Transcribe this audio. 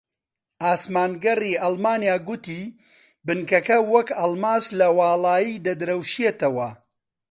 ئاسمانگەڕی ئەڵمانیا گوتی بنکەکە وەک ئەڵماس لە واڵایی دەدرەوشێتەوە